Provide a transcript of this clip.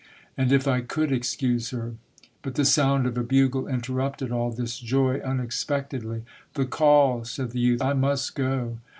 As if I could excuse her ! But the sound of a bugle interrupted all this joy unexpectedly. '' The call !" said the youth. " I must go."